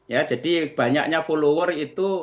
ya jadi banyaknya follower itu